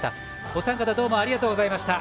お三方どうもありがとうございました。